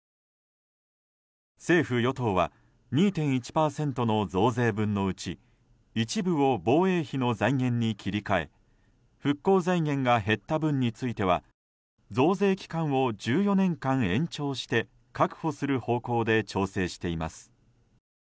政府・与党は２．１％の増税分のうち一部を防衛費の財源に切り替え復興財源が減った分については増税期間を１４年間、延長して確保する方向で調整しています。